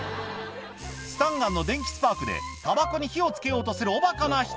スタンガンの電気でたばこに火をつけようとするおばかな人。